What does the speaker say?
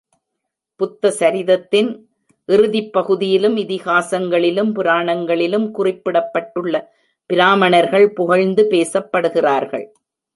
புத்தசரிதத்தின் இறுதிப் பகுதியிலும் இதிகாசங்களிலும் புராணங்களிலும் குறிப்பிடப்பட்டுள்ள பிராமணர்கள் புகழ்ந்து பேசப்படுகிறார்கள்.